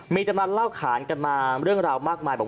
มีจำนานเล่าขานกันมาเรื่องราวมากมาย